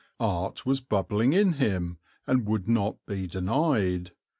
Art was bubbling in him and would not be denied.